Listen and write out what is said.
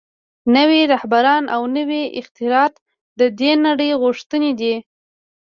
نوي رهبران او نوي اختراعات د دې نړۍ غوښتنې دي